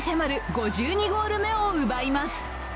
５２ゴール目を奪います。